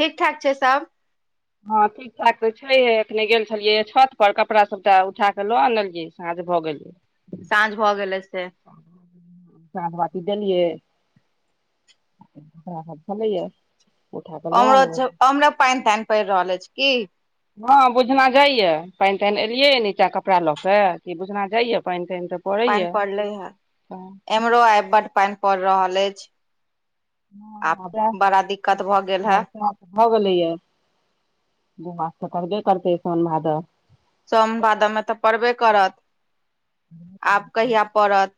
ठीक ठाक छै सब। हँ ठीक। छत पर छलैये तऽ एखने गेल छलियै छत पर कपड़ा सबटा उठाक लऽ अनलियै साँझ भऽ गेलै। साँझ भऽ गेलै से। साँझ बाती देलियै। सएह सब भेलैये। ओमहरो ओमरो पाइन ताइन पड़ि रहल अछि की? हँ बुझना जाइये पाइन ताइन एलियै नीचाँ कपड़ा लऽ कऽ कि बुझना जाइए पागन ताइन तऽ पानि पड़ैये पड़लै हे हँ एमहरो आइ बड पानि पड़ि रहल अछि। वैह आब बड़ा दिकत भऽ गेल हे। बरसात भऽ गेलैये आब तऽ करबे करतै सोन भादव। सोन भादव मे तऽ पड़बे करत। आब कहिया पड़त,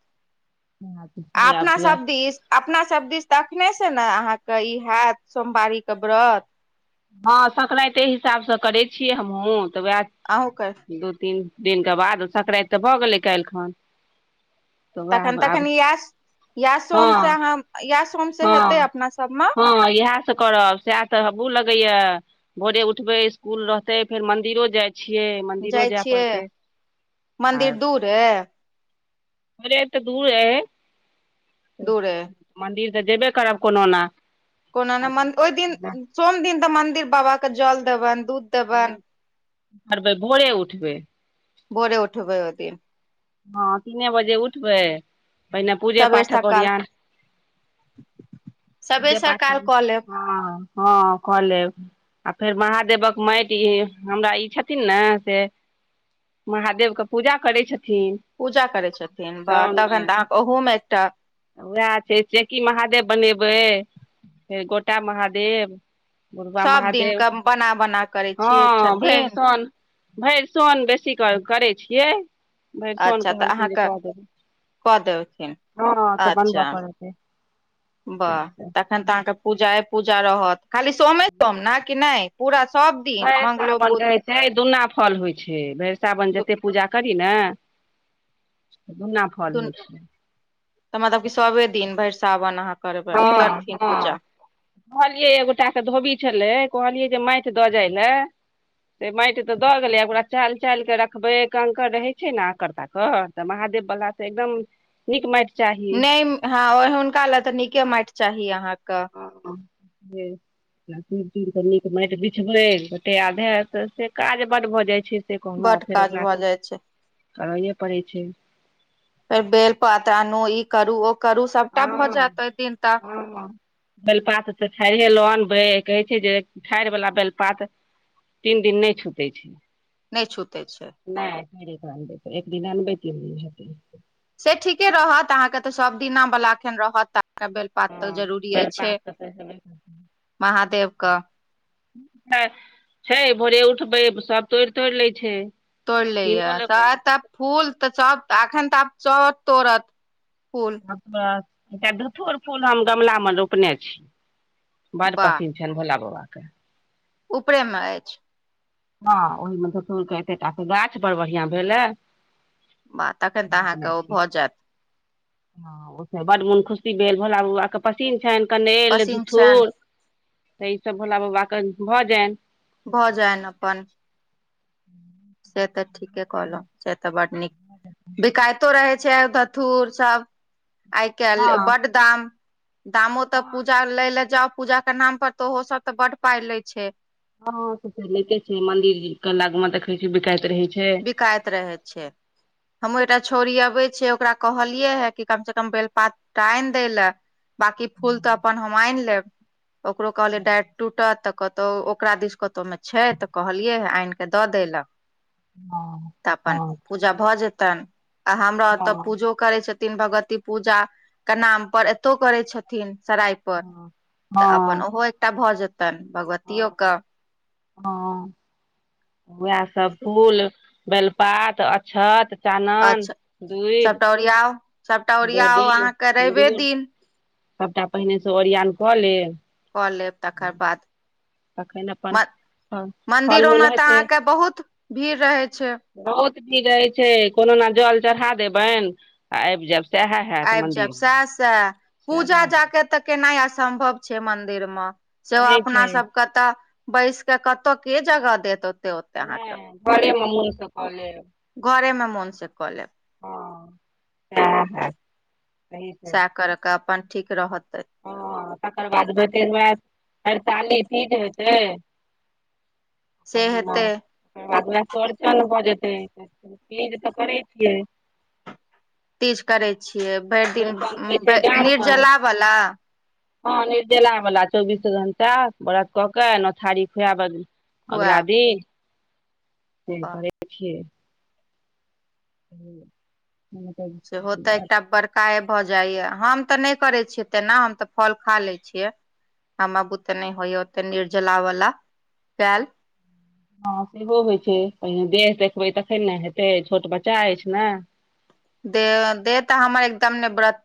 आ आब अपना वैह सब दिस अपना सब दिस तऽ अखनेसँ ने अहाँके ई हैत सोमवारी कऽ व्रत। हँ संक्रान्ती हिसाबसँ करै छियै हमहूँ तऽ वैह अहूँ के। दू तीन दिनके बाद संक्रान्ति तऽ भऽ गेलै काल्हि खन। तऽ तखन वैह आब तखन इएह इएह सोम से हँ अहाँ इएह सोम से हेतै हँ अपना सबमे। हँ इएह करब सएह तऽ अबुह लगैये भोरे उठबै स्कूल रहतै फेर मंदिरो जाइ छियै मन्दिरो जाइ जाय पड़तै आ ह [inaudible] थोड़े तऽ दूर अय, दूरे मन्दिर तऽ जेबे करब कोनो ना। कोनो नहि मन ओहि दिन सोम दिन तऽ मन्दिर बाबाके जल देबनि दूध देबनि करबै, भोरे उठबै भोरे उठबै ओयदिन। हां तीने बजे उठबै पहिने पूजे सबेर पाठक सकाल ओरयान सबेर सकाल कऽ लेब हां-हां क लेब। आ फेर महादेवक मैएट ये, हमरा ई छथिन ने से महादेव के पूजा करै छथिन। पूजा करै छथिन बा तखैन तऽ अहाँके उहो मे एकटा वाएह छै जे कि महादेव बनेबै, फेर गोटा महादेव बुढबा सब दिन महादेव के बना बना करै छियै हां भैर छथिन सोन भैर सोन बेसी कऽ करै छियै। भरि सोन अच्छा तऽ कहलखिन जे अहाँके कऽ देबै कऽ देेलखिन, हँ तऽ बनबऽ अच्छा। पड़तै वाह तखन तऽ अहाँ के पूजा पूजा रहत खाली सोमे सोम ना कि नै पूरा सब दिन मंगलो, बुध चाय दुन्ना फल होय छै, भैर सावन दु जते पूजा करी नै दुन्ना फल दुन होय छै। तऽ मतलब कि सबे दिन भैर सावन अहाँ करबैन हँ करथिन हँ पूजा। कहलियै एकगोटा के धोबी छलै कहलियै जे मैएट दऽ जाय लए। से मैएट तऽ दऽ गेलै ओकरा चाएल-चाएल के रखबै, कंकड़ रहै छै ने आकड़-ताकड़। तऽ महादेव बला से एकदम नीक मैएट चाही। हां और हुनका लए तऽ नीके मैएट चाही अहाँके। हां-हां से आ चुन-चुन कऽ नीक मैएट बिछबै [unintelligible] से काज बड भऽ जाय छै। से कहलौ बड फेर काज ओकरा भऽ तऽ जाइ छै करैये पड़ै छै। फेर बेलपात आनू ई करू ओ करू सबटा भऽ जाएत ओय दिन तऽ। बेलपात तऽ ठाएरे लऽ आनबै, कहै छै जे ठाएर वला बेलपात तीन दिन नै छूटै छै। नै छूतै छै। नै नै करबे, एक दिन अनबै केलकै तीन दिन से ठीके रहत अहाँके तऽ सब दिना बला अखैन रहत त के बेलपात तऽ जरूरीये बेलपात छै, महादेव कऽ तै छै भोरे उठबै सब तोएड़-तोएड़ लै छै। तोड़लेै या कीनो लेबै सहाए त फूल तऽ सब तऽ एखन तऽ आब सब तोड़त फूल। ओय के बाद एकटा धथूर फूल हम गमला मे रोपनाय छी, बड़ पसिन छन भोला बाबाके। उपरे मे एछ। हां ओहिमे धतूर के एतेटा के गाछ बड़ बढ़ियाँ भेलै। वाह तखन तऽ अहाँके रोपनाय ओ छी। भऽ जायत हां ओय से बड मुन खुशी भेल भोला बब्बा के। पसिन छैन कनैल, पसिन छनि धुथुर तऽ ई सब भोला बब्बा के भऽ जाएन। भऽ जाएन अपन। हुं। ते ठीके कहलौ छै तऽ बड नीक बिकाएतो रहै छै धथूर सब। आय काएल हँ बड दाम दामो तऽ हँ पूजा लै लए जाउ पूजा के नाम पर तऽ उहो सब तऽ बड पाय ले छै। हां से ते लै ते छै, मंदिर के लग मे देखे छी बिकाएत रहै छै। काएत रहै छै। हमर एकटा छौरी अबै छय, ओकरा कहलियै हें कि कम से कम बेलपात दटा आनि दै लैऽ बाँकी फूल तऽ अपन हम आनि लेब। ओकरो कहलियै डारि टूटत तऽ कतहु ओकरा दिस कतहुमे छै तऽ कहलियै हैंआनि कऽ दऽ दै लऽ हँ। तऽ अपन पूजा भऽ जेतनि आ हमरा ओतऽ पूजो करै छथिन, भगवती पूजा के नाम पर एतो करै छथिन सराय- पर तऽ हँ अपन ओहो एकटा भऽ जेतनि भगवतियो कऽ हँ, उएह सब फूल बेलपात, अक्षत, चानन, दूइब ओरियाऊ। बॉडी, सिन्दूर दिन सबटा पहिनेसँ ओरिआन कऽ लेब। कऽ लेब तकर बाद तखन अपन म हँ फल मंन्दिरो मूल मे तऽ हेतै अहाँके बहुत भीड़ रहै छै। बहुत भीड़ रहै छै, कोनो ने जल चढ़ा देबनि आ आबि जैब। आबि जायब सएह -सैह सएह पूजा जाकऽ तऽ केनाय असंभव छै मंदिर मऽ, सेहो नहि छै अपना सब कतऽ बैस कऽ कतऽ के जगह देत ओ नही घरे मऽ मोन सऽ कऽ लेब। घरे मे मोन सऽ कऽ लेब। हँ [unintelligible] सही से सएह करऽ के अपन ठीक रहतै। हँ तकर बाद भतेर वैह हरताली तीज हेतै। से अहिना हेतै तकर बाद वैह चौरचन भऽ जेतै, चीज तऽ करै छियै। तीज करै छियै, भरि दिन चौड़चन होइ छै गाममे निर्जला बला। हँ निर्जला वला चौबीस घंटा व्रत कऽ के नौ थारी खुआव आ अगला खुआएब दिन से वाह करैत छियै। [unintelligible] [unintelligible] सेहो तऽ एकटा बड़ का ए भऽ जाइया, हम तऽ नहि करै छियै तेना, हम तऽ फल खा लै छियै। हमरा बुते नहि होइ यैं ओते निर्जला वला कैल। हँ सेहो होइ छै, पहिने देह देखबै तखन ने हेतै, छोट बच्चा अछि ने। दे देह तऽ हमर एकदम नहि ब्रत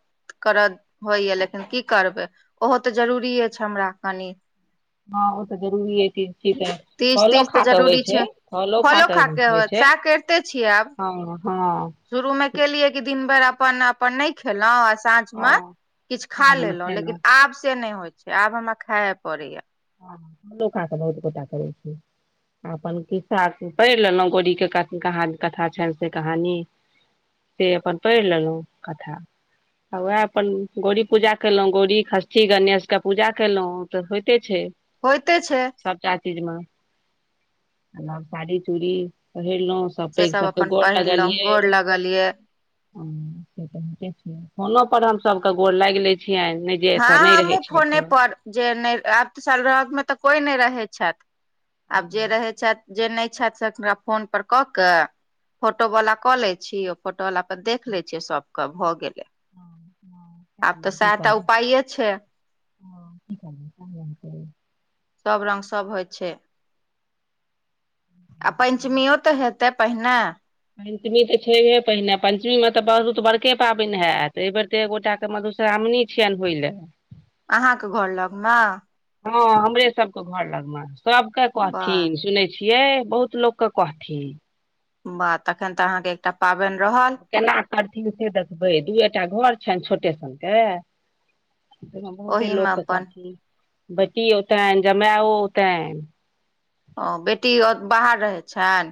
करत होइए लेकिन की करबै, ओहो तऽ जरूरिए छै हमरा कनि। हँ ओ तऽ जरूरीये एय कि की तऽ तीज फलो तीज खा तऽ कऽ होइ जरूरी छै, फलो खा कऽ खाके होइ होत छै। सएह करिते छियै आब हँ - हँ। शुरू में केलियै कि दिन भैर अपन अप पन नहि खेलौं, आ साँझ में हँ किछ खा साँझमे लेलऊ खेलहुँ लेकिन आब से नहि होइ छै। आब हमरा खाए पड़ैयऽ। हँ फलो खा कऽ बहुत गोटा करै छै। अपन खिस्सा पढ़ि लेलऊ, गौरी के कथ कहा कथा छैन से कहानी से अपन पैढ़ लेलऊ कथा। आ वएह अपन गौरी पूजा केलहुं, गौड़ी, खस्ठी, गणेश के पूजा केलऊ तऽ होइते छै। होयइते छै। सबटा चीज मे, साड़ी चूड़ी चरहेलहुं। सब से पैघ सब के अपन गोर पहिरलहुँ गोर लगलियै। लगल ये ्फोनो पर हम सबके गोर लायग लै छियन। हँ, हमहुँ फोने पर। - जे नहि, आब तऽ सलरो मे तऽ कोई नहि रहे छथि, आब जे रहे छथि। जे नहि छथि, से हनकरा फोन परर कऽ क। फोटो वाला कऽ ले छीिय, फोटो वालला पर देख ले छीिय, सबके भऽ गेले। ह, त न कि करबै। की पइए छै। करबै सब रङ्ग, सब होइ छै। आ पञ्चमियो तऽ हेतै पहिने। पञ्चमी तऽ छैहे पहिने, पञ्चमीमे तऽ बहुत बड़के पाबनि हयैत एहिबर। एक गोटा के मधुश्रावणी छियनि होइ ल। अहाँके घर लगमे। हँ, हमरे सबके घर लगमे, सबके वाह कहथिन सुनै छियै, बहुत ल लोक क कहथिन। वाह, तखन तऽ अहाँके एकटा पाबनि रहत। आब केना करथिन से देखबै, दूएटा घर छैन, छोटे टा के। बहुते ओहि मे लोकके अपन कहथिन, बेटी ओतैन, जमाायो ओतैन। ओ, बेटी बाहर रहै छैन?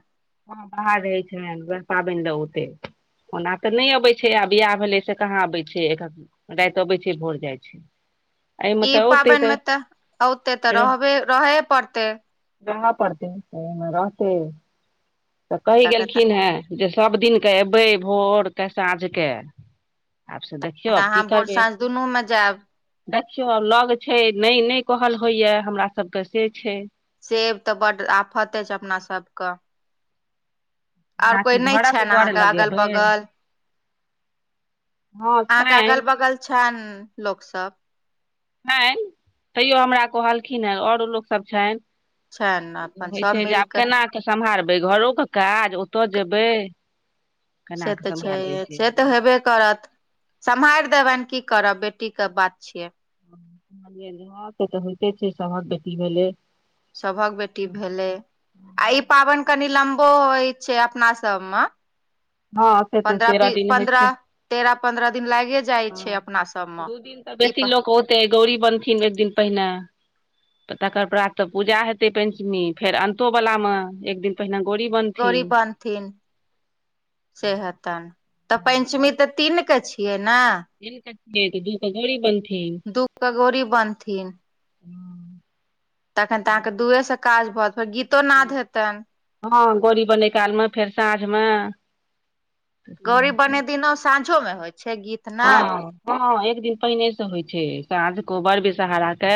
हँ, बाहर रहै छैन, पाबनि मे ओतै।। ओना तऽ नहि अबै छै, आ बिआाह भेलै से कहाँ अबै छै एखन। रात अबै छै, भोर जाइ छै। ई एहिमे तऽ औतै पाबनि तऽ में त, ओऔते तऽ रहबे, रहेये पड़ते। रह पड़तै, अऐ मे रहतै, तऽ कहि गेलखिन हे। जे सब दििन के एबै, भोर के, साँझ के, आब से देख। खिओ, की अहाँ भोर करबे। साँझ दुनू मे जायब देखियौ, आब लग छै, नहि -नहि कहल होइय, हमरा सभके से छै। सेब तऽ बड आफते छै, अपना सबके। आओर कोइ जेनाकि नहि घरक छनि, गढ़ अहाँके अगल लगेबै बगल। हँ अहाँके, अगल छनि बगल छनि लोक सब। छैन, तैयो हमरा कहलखिन हे, औरो लोकसभ छनि। छनि तैयो अपन होइ सभ छै, जे मिल आब केना कऽ सम्हारबै, घरोके काज, ओत जेबै। केना से कऽ तऽ सम्हारबै छैहे, से तऽ हेबे करत, सम्हारि देबनि, की करबै, बेटी के बात छियै। कहलिय, ह से तऽ होइते छै, सभहक बेटी भेलै। सबहक बेटी भेलै, आ ई पाबैन कनि लम्बो होइ छै, अपना सबमे। हँ से तऽ पन्द्रह, तेरह बी, दिन होइ छै पन्द्रह, तेरह, पन्द्रह दिन लागै जाइ हँ छै, अपना सबमे। दू दिन तऽ ई बेसी प लोक औते, गौरी बनथिन एक दिन पहिने। तऽ तकर प्रातऽ स पूजा हेतै पञ्चमी, फेर अन्तो वलामे, एक दिन पहिने गोरी बन गौरी बनथिन। से हेतैन, तऽ पञ्चमी तऽ, तीन क छियै ने। तीन क छिऐ त दू क गौरी बनथिन दु क गौरी बनथिन तखन तऽ अहाँके दुए स काज परत फेर गीतो नाद हेतनि हँ गौड़ी बनय कालमे फेर साँझमे गौरी बनेय दिनो साँझोमे होइ छै गीत नाद हँ हँ एक दिन पहिने से होइ छै साँझ कोबर बिषहाराके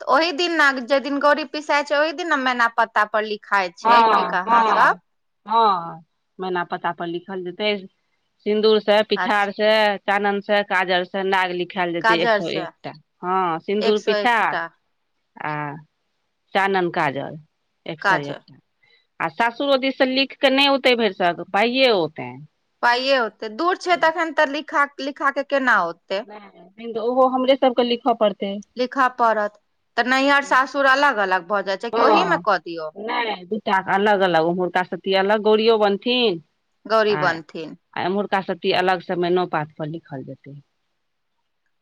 तऽ ओहि दिन ने जेहि दिन गौड़ी पिसाय छै ओहि दिन ने मैना पता पर लिख लिखाय हँ छै की कहाँ हँ सब हँ मैना पता पर लिखल जेतै सिन्दूर से पिठार अच्छा से चानन से काजर नाग लिखायल जेतै एक काजर सौ से एकटा हँ एक सिन्दूर सौ पिठार एकटा आ चानन काजर एक सौ काजर एक आ सासुरो दीस स लिख क न‌इ औते भरिसक पाइए औतनि पाइए ओतै दूर छै तखन तऽ लिखा लिखा कऽ केना ओतै तखनि तऽ ओहो हमरे सबके लिख‌ पड़तै लिखऽ पड़त तऽ नैहर सासुर अलग अलग भऽ जात हँ नहि दूटाक अलग अलग उमहुरका सथी सब के अलग गौरीयो बनथिन गौरी आ बनथिन आ एम्हरका साती अलग से मैनाओ पात पर लिखल जेतै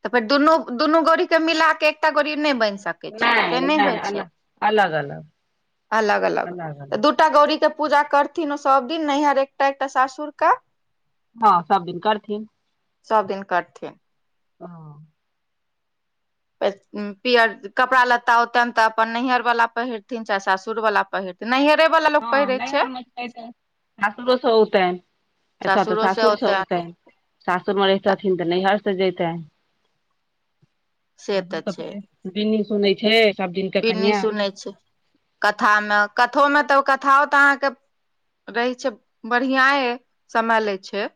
तऽ फेर दुनू दुनू गोड़ी के मिला के एकटा गोड़ी न‌इ बैन सक छै नहि से न‌इ होय नहि अलग छै अलग अलग अलग अलग दु टा गौड़ी के पूजा करथिन ओ सब दिन नैहर एकटा एकटा सासुर क हँ सब दिन करथिन सब दिन करथिन हँ [unintelligible] पियर कपड़ा लत्ता ओनि तऽ अपन नैहर वाला पहिरथिन चाहे सासुर वाला पहिरथिन नैहरे बला हँ नैहर मे छै से ओतैन [unintelligible] ऐत तऽ सासुरो से सासुरस औतनि ओतैन सासुर मे रहितथिन तऽ नैहर से जेतैेन से तऽ छै दिनी सुनैय छै सब दिन के बिन्नी कनिआ। सुनै छै [unintelligible] कथा मे कथो में तऽ ओ कथाओ तऽ अहाँके रहै छै बढ़ियाए समय लै छै [unintelligible]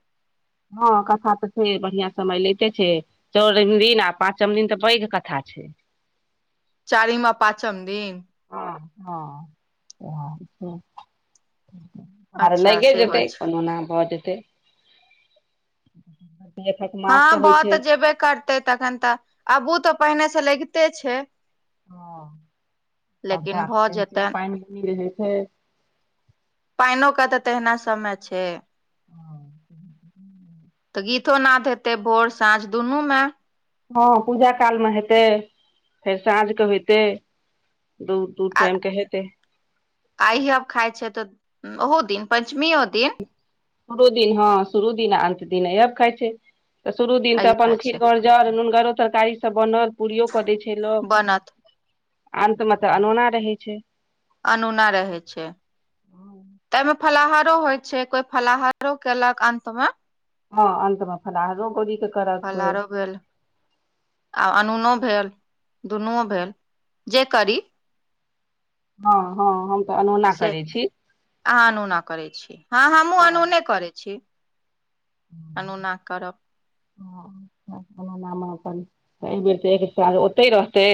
हँ कथा तऽ छै बढ़िआं समय लैते छै चौरम दिन आ पाँचम दिन तऽ पैघ कथा छै चारिम आ पाँचम दिन हँ हँ [unintelligible] आर अच्छा लैगे से होइ जेतै छै कोनो न भऽ जेतै [unintelligible] हँ भऽ तऽ छै जेबे करतै तखन तऽ अबू तऽ पहिने स लगैते छै ह पौधा लेकिन भऽ तऽ कह जेतै पानि मिले छै [unintelligible] पा‌इनो के तऽ तेहिना समय छै तऽ गीतो नाद हेते भोर साँझ दुनू में। हँ पूजा कालमे हेतै फेर साँझके होेइतै। दू, दू टाइम के हेतै आइ आब खााय छै तऽ'ओहो दिन पं्चमीो दिन। दु दिन हं शुरु दिन हँ शुरु दिन अन्त दिन अइयब अब खा छै। तऽ' शुरू दिन तऽ' आइयो अपन खाइ खीर छै गर जर नुनगरो तरकारीसँ बनल। पूरियो कऽ' दै छै बनत लोक अन्तमे तऽ'अनोना रहै छै। अनूना रहै छै तऽ'एमे फलाहारो होइ छै कोई फलाहारो केलक अंत मे। हँ अन् म फल आ गो फलहारो भेल आ अनूनो भेल दुनूओ भेल जे करी। हँ, हँ हम तऽ'अनोौना से करै छी। अहाँ अनूना करैत छी हँ हमहूँ अनूने करैत छी। अनुना करब हाना अपन बेर एक साल ओते रहतै।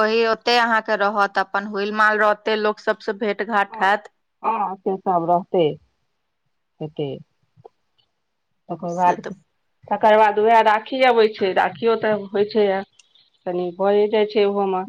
ओहि ओते अहाँके रहत अपन हुल माल रह ओते लोक सबस भेट घाट होत। ह से साल रहतै हत तकर से बाद तऽ तकर बाद उएह राखी अबैत छै राखियओ तऽ' होइत छै यए। तनि भरि जाइ छै एहोमे